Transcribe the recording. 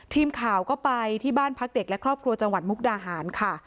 ทีมข่าวก็ไปที่บ้านพักเด็กและครอบครัวจังหวัดมุกดาหารค่ะ